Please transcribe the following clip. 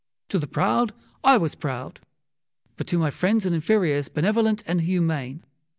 To the proud I was proud, but to my friends and inferiors benevolent and humane.